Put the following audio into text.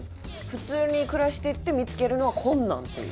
普通に暮らしてて見つけるのは困難っていう？